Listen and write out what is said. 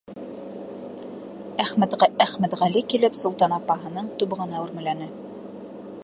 Әхмәтғәле килеп Солтан апаһының тубығына үрмәләне.